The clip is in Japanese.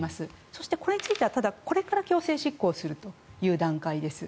そして、これについてはこれから強制執行するという段階です。